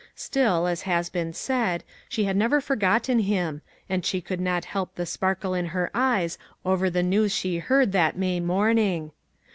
Still, as has been said, she had never forgotten him, and she could not help the sparkle in her eyes over the news she heard that May morn ing.